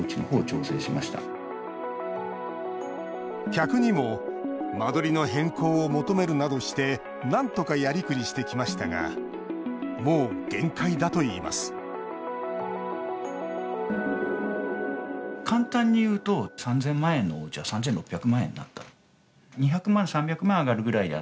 客にも間取りの変更を求めるなどしてなんとかやりくりしてきましたがもう限界だといいますウッドショックのきっかけはアメリカでした。